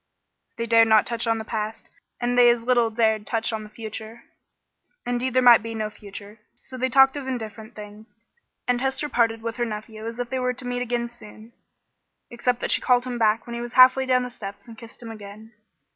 They dared not touch on the past, and they as little dared touch on the future indeed there might be no future. So they talked of indifferent things, and Hester parted with her nephew as if they were to meet again soon, except that she called him back when he was halfway down the steps and kissed him again.